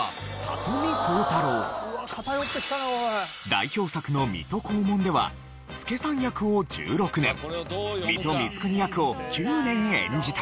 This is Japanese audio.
代表作の『水戸黄門』では助さん役を１６年水戸光圀役を９年演じた。